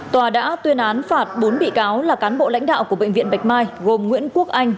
tòa đã tuyên án phạt bốn bị cáo là cán bộ lãnh đạo của bệnh viện bạch mai gồm nguyễn quốc anh